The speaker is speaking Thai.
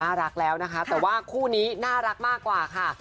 รักแล้วนะคะแต่ว่าคู่นี้น่ารักมากกว่าค่ะ